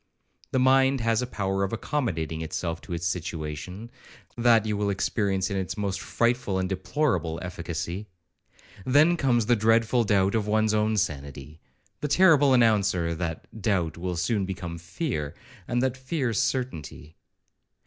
The mind has a power of accommodating itself to its situation, that you will experience in its most frightful and deplorable efficacy. Then comes the dreadful doubt of one's own sanity, the terrible announcer that that doubt will soon become fear, and that fear certainty.